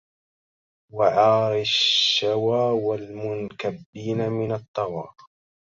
وعاري الشوى والمنكبين من الطوى